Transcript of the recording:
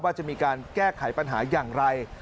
ว่าจะมีการแก้ไขปัญหาอย่างไร